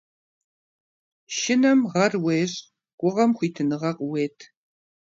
Шынэм гъэр уещӏ, гугъэм хуитыныгъэ къыует.